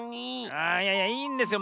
ああいやいやいいんですよ。